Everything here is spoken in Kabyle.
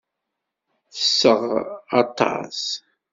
Tesseɣ aṭas.